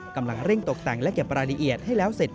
กำลังเร่งตกแต่งและเก็บรายละเอียดให้แล้วเสร็จ